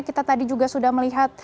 kita tadi juga sudah melihat